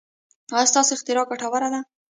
ایا ستاسو اختراع ګټوره ده؟